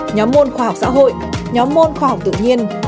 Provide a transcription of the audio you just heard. nhóm môn khoa học xã hội nhóm môn khoa học tự nhiên